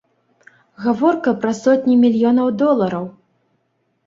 Гаворка пра сотні мільёнаў долараў.